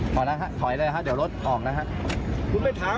คุณไปถามว่าบ้านเมืองจะได้อะไรขึ้นมาบ้าง